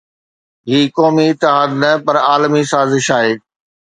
هي قومي اتحاد نه پر عالمي سازش آهي.